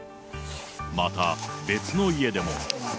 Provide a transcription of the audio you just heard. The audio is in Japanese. また、別の家でも。